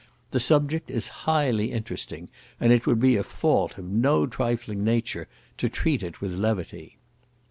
The subject is highly interesting, and it would be a fault of no trifling nature to treat it with levity.